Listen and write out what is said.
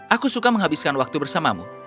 aku suka menghabiskan waktu bersamamu